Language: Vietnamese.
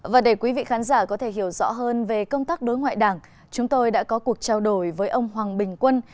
và để quý vị khán giả có thể hiểu rõ hơn về công tác đối ngoại đảng chúng tôi đã có cuộc trao đổi với ông hoàng bình quân